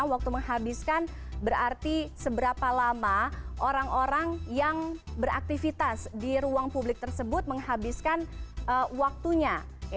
waktu menghabiskan berarti seberapa lama orang orang yang beraktivitas di ruang publik tersebut menghabiskan waktunya